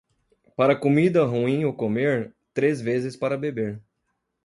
Para comida ruim ou comer, três vezes para beber.